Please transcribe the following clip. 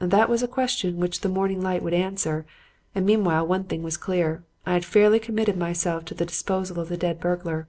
That was a question which the morning light would answer; and meanwhile one thing was clear: I had fairly committed myself to the disposal of the dead burglar.